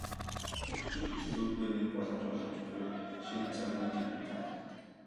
Хөгшчүүлд хүртэл өөрийгөө нээх боломж олгож буй энэ шинэ цаг үе тэдэнд таалагддаг.